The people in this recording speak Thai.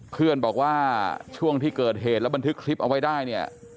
เพื่อนบอกว่าช่วงที่เกิดเหตุแล้วบันทึกคลิปเอาไว้ได้เนี่ย